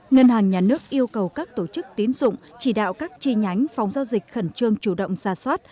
ngân hàng nhà nước yêu cầu các tổ chức tín dụng chỉ đạo các chi nhánh phòng giao dịch khẩn trương chủ động ra soát